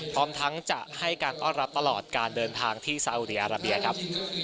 พร้อมทั้งจะให้การต้อนรับตลอดการเดินทางที่ซาอุดีอาราเบียครับ